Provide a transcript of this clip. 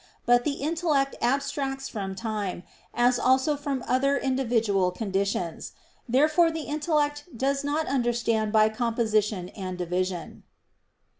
But the intellect abstracts from time, as also from other individual conditions. Therefore the intellect does not understand by composition and division.